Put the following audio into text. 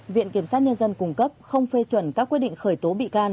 viện kiểm sát nhân dân cung cấp không phê chuẩn các quyết định khởi tố bị can